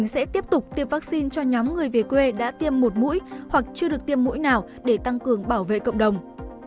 sẽ tiếp tục tiêm vaccine cho nhóm người về quê đã tiêm một mũi hoặc chưa được tiêm mũi nào để tăng cường bảo vệ cộng đồng